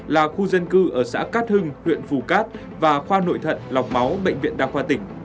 là khu dân cư ở xã cát hưng huyện phù cát và khoa nội thận lọc máu bệnh viện đa khoa tỉnh